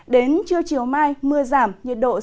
đến trưa chiều mai mưa giảm nhiệt độ sẽ giảm